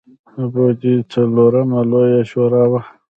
د بودیزم څلورمه لویه شورا وه